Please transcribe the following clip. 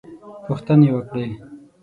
پوښتنې وکړې.